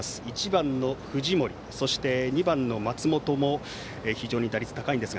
１番の藤森２番の松本も非常に打率高いです。